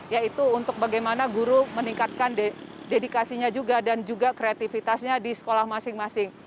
yaitu untuk bagaimana guru meningkatkan dedikasinya juga dan juga kreativitasnya di sekolah masing masing